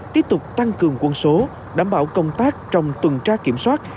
tiếp tục tăng cường quân số đảm bảo công tác trong tuần tra kiểm soát